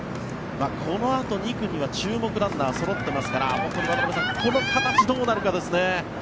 このあと２区には注目ランナーがそろっていますから渡辺さん、この形がどうなるかですね。